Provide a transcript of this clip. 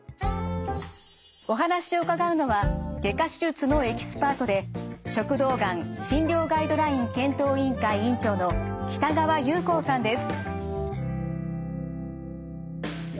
お話を伺うのは外科手術のエキスパートで食道癌診療ガイドライン検討委員会委員長の北川雄光さんです。